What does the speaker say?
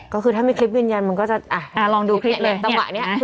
ก็คือถ้าไม่คลิปยืนยันมันก็จะอาลองดูคลิปเนี่ย